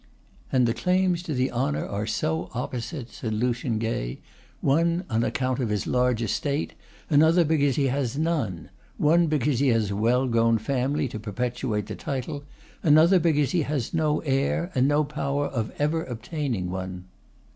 'And the claims to the honour are so opposite,' said Lucian Gay; 'one, on account of his large estate; another, because he has none; one, because he has a well grown family to perpetuate the title; another, because he has no heir, and no power of ever obtaining one.